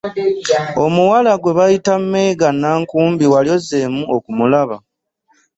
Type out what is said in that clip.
Omuwala gwe bayita Meega Nankumbi wali ozzeemu okumulaba?